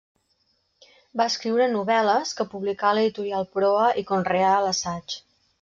Va escriure novel·les, que publicà a l'Editorial Proa i conreà l'assaig.